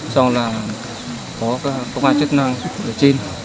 sau là có công an chức năng ở trên